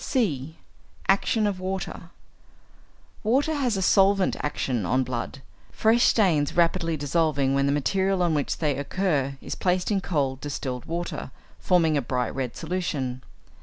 (c) =Action of Water.= Water has a solvent action on blood, fresh stains rapidly dissolving when the material on which they occur is placed in cold distilled water, forming a bright red solution.